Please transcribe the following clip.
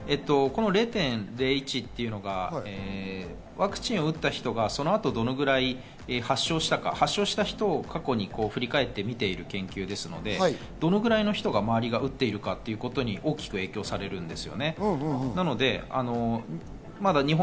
この０．０１っていうのがワクチンを打った人がそのあとどのくらい発症したか、発症した人を過去に振り返って見ている研究ですので、どのくらいの人が周りが打っているかということに大きく影響されるんです。